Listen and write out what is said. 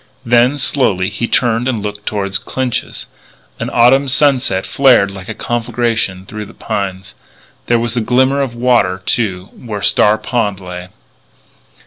Then, slowly, he turned and looked toward Clinch's. An autumn sunset flared like a conflagration through the pines. There was a glimmer of water, too, where Star Pond lay.